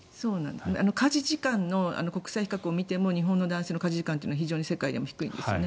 家事時間の国際比較を見ても日本の男性の家事時間というのは非常に世界でも低いんですよね。